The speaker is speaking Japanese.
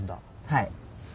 はい。